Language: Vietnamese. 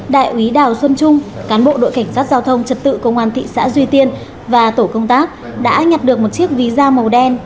đại úy đào xuân trung cán bộ đội cảnh sát giao thông trật tự công an thị xã duy tiên và tổ công tác đã nhặt được một chiếc ví da màu đen